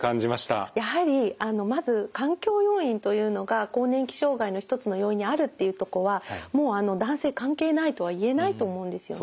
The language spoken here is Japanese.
やはりあのまず環境要因というのが更年期障害の一つの要因にあるっていうとこはもうあの男性関係ないとは言えないと思うんですよね。